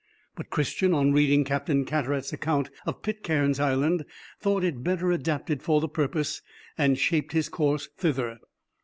But Christian, on reading Captain Cartaret's account of Pitcairn's Island, thought it better adapted for the purpose, and shaped his course thither.